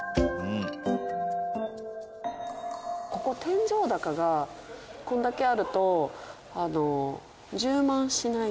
ここ天井高がこれだけあると充満しないんですよね